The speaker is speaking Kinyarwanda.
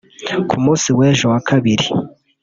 Ku munsi w’ejo ku wa kabiri